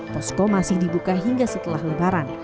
posko masih dibuka hingga setelah lebaran